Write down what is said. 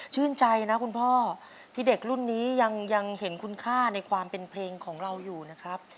ชื่นใจนะคุณพ่อที่เด็กรุ่นนี้ยังเห็นคุณค่าในความเป็นเพลงของเราอยู่นะครับ